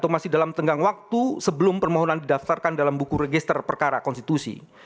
masih dalam tenggang waktu sebelum permohonan didaftarkan dalam buku register perkara konstitusi